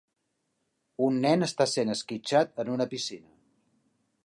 Un nen està sent esquitxat en una piscina